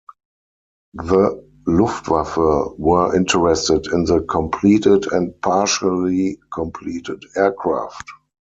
The "Luftwaffe" were interested in the completed and partially completed aircraft.